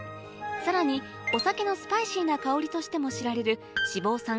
さらにお酒のスパイシーな香りとしても知られる脂肪酸